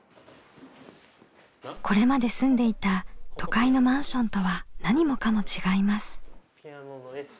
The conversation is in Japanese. これまで住んでいた都会のマンションとは何もかも違います。